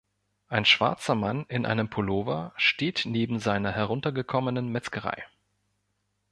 Ein schwarzer Mann in einem Pullover steht neben seiner heruntergekommenen Metzgerei.